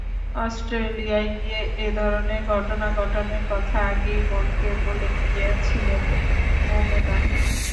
অস্ট্রেলিয়ায় গিয়ে এ ধরনের ঘটনা ঘটানোর কথা আগেই বোনকে বলে গিয়েছিলেন মোমেনা।